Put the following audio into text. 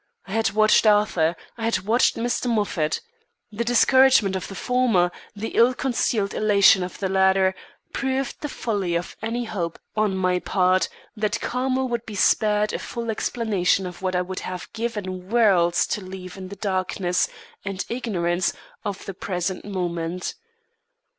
I had watched Arthur; I had watched Mr. Moffat. The discouragement of the former, the ill concealed elation of the latter, proved the folly of any hope, on my part, that Carmel would be spared a full explanation of what I would have given worlds to leave in the darkness and ignorance of the present moment.